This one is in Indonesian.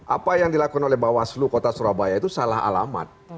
apa yang dilakukan oleh bawaslu kota surabaya itu salah alamat